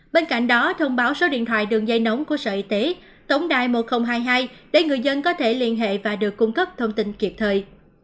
bên cạnh đó thông báo số điện thoại đường dây nóng của sở y tế tổng đài một nghìn hai mươi hai để người dân có thể liên hệ và được cung cấp thông tin kịp thời